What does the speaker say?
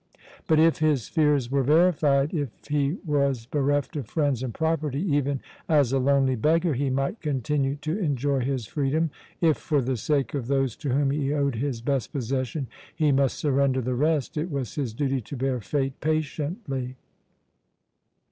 But if his fears were verified, if he was bereft of friends and property, even as a lonely beggar he might continue to enjoy his freedom. If, for the sake of those to whom he owed his best possession, he must surrender the rest, it was his duty to bear fate patiently.